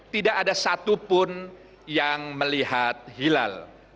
tidak ada satupun yang melihat hilal